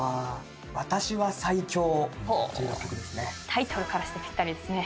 タイトルからしてぴったりですね。